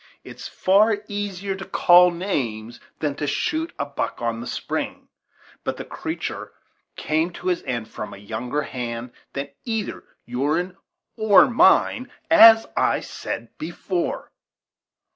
"It's far easier to call names than to shoot a buck on the spring; but the creatur came by his end from a younger hand than either your'n or mine, as I said before."